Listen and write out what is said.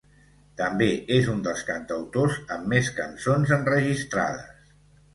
També és un dels cantautors amb més cançons enregistrades.